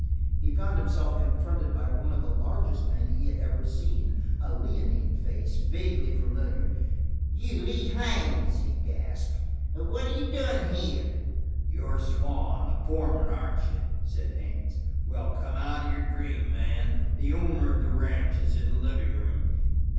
He found himself confronted by one of the largest men he had ever seen, a leonine face, vaguely familiar. "You Lee Haines!" he gasped. "What are you doin' here?" "You're Swann, the foreman, aren't you?" said Haines. "Well, come out of your dream, man. The owner of the ranch is in the living room."